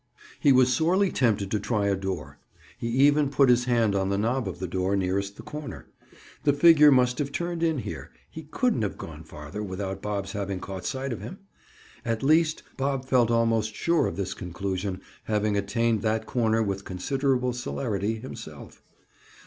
He was sorely tempted to try a door. He even put his hand on the knob of the door nearest the corner. The figure must have turned in here; he couldn't have gone farther without Bob's having caught sight of him. At least, Bob felt almost sure of this conclusion, having attained that corner with considerable celerity, himself.